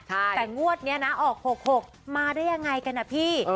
แต่งวดนี้นะออก๖๖มาได้ยังไงกันนะพี่